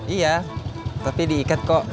iya tapi diikat kok